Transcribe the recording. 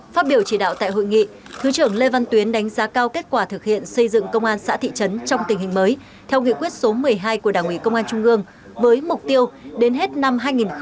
phát biểu chỉ đạo tại hội nghị thứ trưởng lê văn tuyến đánh giá cao kết quả thực hiện xây dựng công an xã thị trấn trong tình hình mới theo nghị quyết số một mươi hai của đảng ủy công an trung ương với mục tiêu đến hết năm hai nghìn hai mươi năm